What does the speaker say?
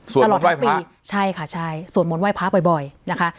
สวดมนต์ไหว้พระใช่ค่ะใช่สวดมนต์ไหว้พระบ่อยบ่อยนะคะ